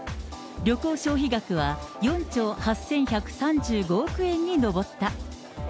旅行消費額は４兆８１３５億円に上った。